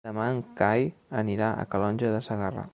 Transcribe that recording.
Demà en Cai anirà a Calonge de Segarra.